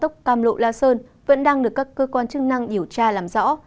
căm lộ la sơn vẫn đang được các cơ quan chức năng điều tra làm rõ